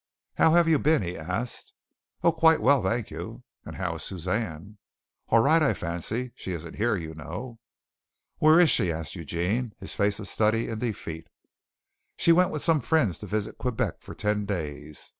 "How have you been?" he asked. "Oh, quite well, thank you!" "And how is Suzanne?" "All right, I fancy. She isn't here, you know." "Where is she?" asked Eugene, his face a study in defeat. "She went with some friends to visit Quebec for ten days.